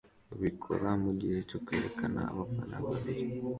babikora mugihe cyo kwerekana abafana biri